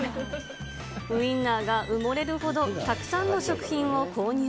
ウインナーが埋もれるほど、たくさんの食品を購入。